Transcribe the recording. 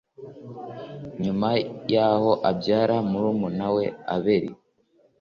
nyuma yaho abyara murumuna we abeli